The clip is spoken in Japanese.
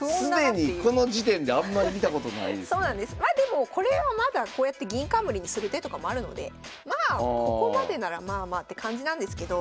まあでもこれはまだこうやって銀冠にする手とかもあるのでまあここまでならまあまあって感じなんですけど。